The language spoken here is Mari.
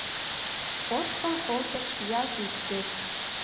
Ошкыл колтыш — ялт йӱксет